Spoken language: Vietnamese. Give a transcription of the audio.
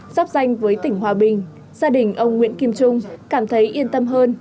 sắp danh với tỉnh hòa bình gia đình ông nguyễn kim trung cảm thấy yên tâm hơn